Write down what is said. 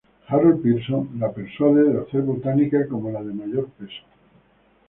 Harold Pearson la persuade de hacer botánica como la de mayor peso.